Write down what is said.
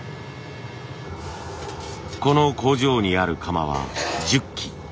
この工場にある窯は１０基。